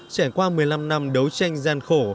trải qua một mươi năm năm đấu tranh gian khổ